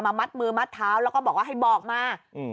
มัดมือมัดเท้าแล้วก็บอกว่าให้บอกมา